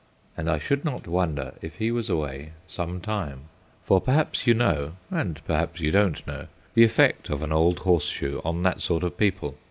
And I should not wonder if he was away some time; for perhaps you know, and perhaps you don't know, the effect of an old horseshoe on that sort of people.